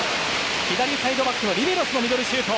左サイドバックのリヴェロスのミドルシュート。